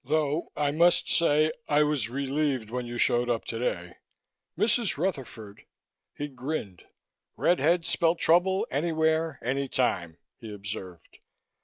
Though I must say I was relieved when you showed up today. Mrs. Rutherford " He grinned. "Red heads spell trouble anywhere, any time," he observed.